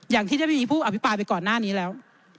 อย่างที่ได้มีผู้อภิปรายไปก่อนหน้านี้แล้ว